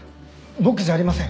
僕じゃありません。